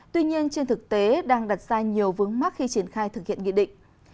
tuy nhiên trên thực tế đang đặt ra nhiều vướng mắt khi triển khai thực hiện nghị định